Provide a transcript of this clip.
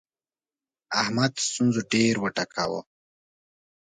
احمد ستونزو ډېر وټکاوو.